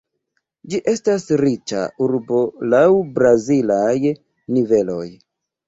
Ĝi estas riĉa urbo laŭ brazilaj niveloj.